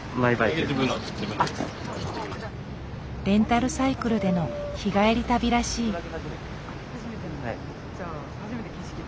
レンタルサイクルでの日帰り旅らしい。